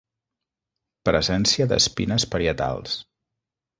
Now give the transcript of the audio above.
Presència d'espines parietals.